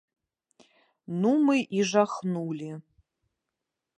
Ну, мы і жахнулі.